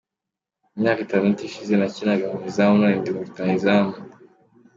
Imyaka itandatu ishize nakinaga mu izamu none ndi rutahizamu.